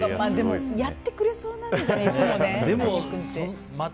やってくれそうなんでいつもね。